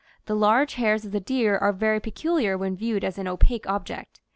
The large hairs of the deer are very peculiar when viewed as an opaque object.